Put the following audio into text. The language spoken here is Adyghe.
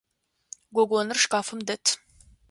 Гогоныр шкафым дэт.